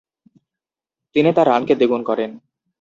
তিনি তার রানকে দ্বিগুণ করেন।